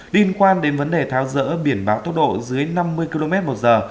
điên quan đến vấn đề tháo dỡ biển báo tốc độ dưới năm mươi km một giờ